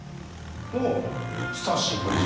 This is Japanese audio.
おう久しぶりじゃのう。